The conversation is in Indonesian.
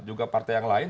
juga partai yang lain